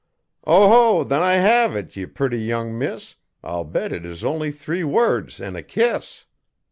'Oho! then I hev it, ye purty young miss! I'll bet it is only three words an' a kiss.'